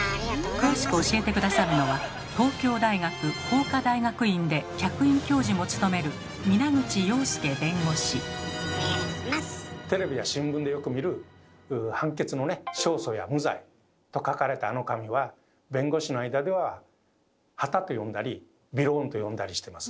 詳しく教えて下さるのはテレビや新聞でよく見る判決のね「勝訴」や「無罪」と書かれたあの紙は弁護士の間では「はた」と呼んだり「びろーん」と呼んだりしてます。